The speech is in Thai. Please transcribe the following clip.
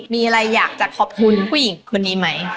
มีอะไรอยากจะขอบคุณผู้หญิงคนนี้ไหม